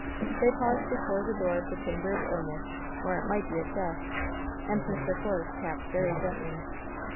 They paused before the door of the chamber of ill ness, or it might be of death, and Mr. Force tapped very gently.